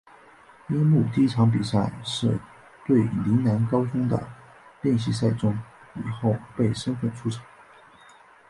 樱木第一场比赛是对陵南高中的练习赛中以后备身份出场。